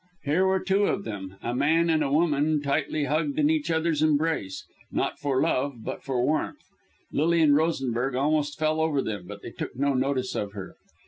Here were two of them a man and a woman tightly hugged in each other's embrace not for love but for warmth. Lilian Rosenberg almost fell over them, but they took no notice of her.